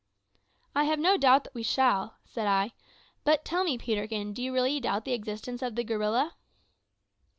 "I have no doubt that we shall," said I; "but tell me, Peterkin, do you really doubt the existence of the gorilla?"